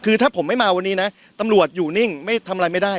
คือถ้าผมไม่มาวันนี้นะตำรวจอยู่นิ่งไม่ทำอะไรไม่ได้